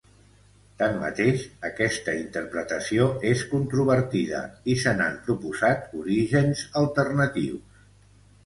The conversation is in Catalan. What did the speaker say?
Tanmateix, aquesta interpretació és controvertida i se n'han proposat orígens alternatius.